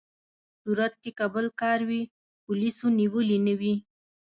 صورت کې که بل کار وي، پولیسو نیولي نه وي.